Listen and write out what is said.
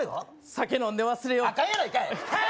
酒飲んで忘れようあかんやないかい！